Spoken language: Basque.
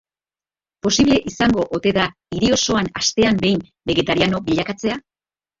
Posible izango ote da hiri osoa astean behin begetariano bilakatzea?